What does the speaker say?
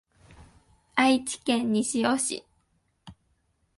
愛知県西尾市